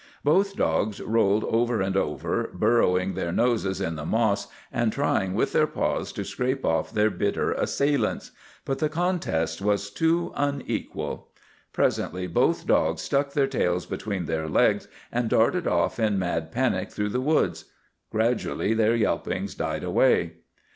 Both dogs rolled over and over, burrowing their noses in the moss, and trying with their paws to scrape off their bitter assailants. But the contest was too unequal. "Presently both dogs stuck their tails between their legs, and darted off in mad panic through the woods. Gradually their yelpings died away.